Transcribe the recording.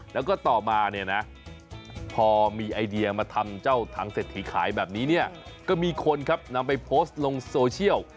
แล้วก็ต่อมาเนี่ยนะพอมีไอเดียมาทำเจ้าถังเศรษฐีขายแบบนี้เนี่ยก็มีคนครับนำไปโพสต์ลงโซเชียล